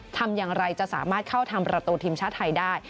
ทำอย่างไรจะสามารถเข้าทำประตูทีมชาติไทยได้